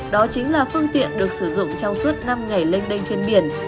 đó chính là phương tiện được sử dụng trong suốt năm ngày lênh đênh trên biển